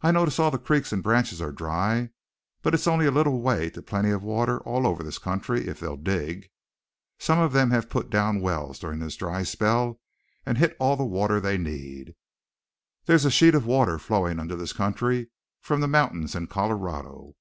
"I notice all the creeks and branches are dry. But it's only a little way to plenty of water all over this country if they'll dig. Some of them have put down wells during this dry spell and hit all the water they need. There's a sheet of water flowing under this country from the mountains in Colorado."